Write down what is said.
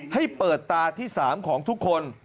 ให้เปิดตาที่๓ของทุกคน